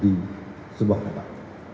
di sebuah tempat